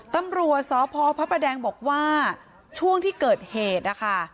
ตำรวจสพพระประแดงบอกว่าช่วงที่เกิดเหตุนะคะ